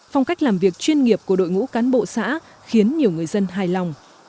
phong cách làm việc chuyên nghiệp của đội ngũ cán bộ xã khiến nhiều người dân hài lòng